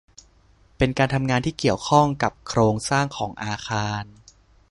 เป็นการทำงานที่เกี่ยวข้องกับโครงสร้างของอาคาร